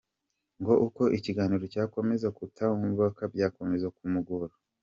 Ngo uko ikiganiro cyakomezaga kutambuka byakomeje kumugora.